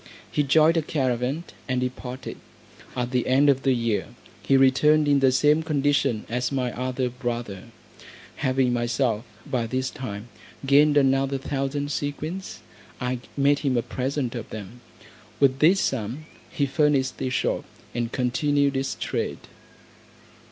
He joined a caravan, and departed. At the end of the year he returned in the same condition as my other brother. Having myself by this time gained another thousand sequins, I made him a present of them. With this sum he furnished his shop, and continued his trade.